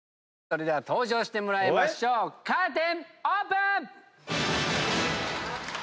それでは登場してもらいましょうカーテンオープン！